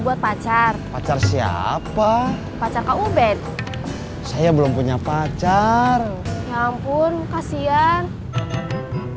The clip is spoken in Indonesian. buat pacar pacar siapa pacar kau ben saya belum punya pacar ya ampun kasihan maaf jangan marah